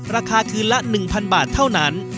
ราคาคืนละ๑๐๐บาทเท่านั้น